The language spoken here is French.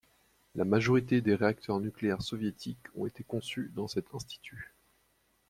La majorité des réacteurs nucléaires soviétiques ont été conçus dans cet institut.